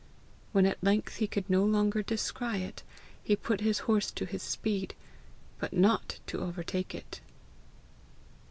When at length he could no longer descry it, he put his horse to his speed but not to overtake it."